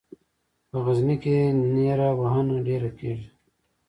په غزني کې نیره وهنه ډېره کیږي.